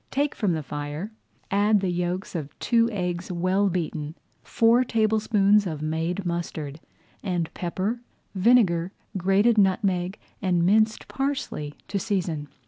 Take from the fire, add the yolks of two eggs well beaten, four tablespoonfuls of made mustard, and pepper, vinegar, grated nutmeg, and minced parsley to season.